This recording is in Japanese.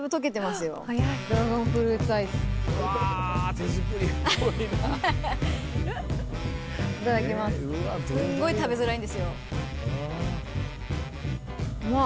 すんごい食べづらいんですよ。